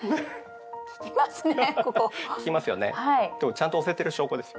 ちゃんと押せてる証拠です。